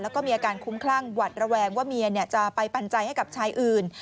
แล้วก็มีอาการคุ้มขั่้างวัดแรงว่าเมียจะปัญญาปัญจัยให้ไปกับชายอื่น